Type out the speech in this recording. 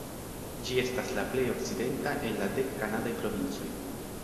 Ĝi estas la plej okcidenta el la dek kanadaj provincoj.